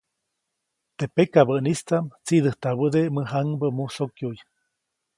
Teʼ pakabäʼnistaʼm tsiʼdäjtabäde mäjaŋbä musokyuʼy.